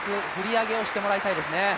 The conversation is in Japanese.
上げをしてもらいたいですね。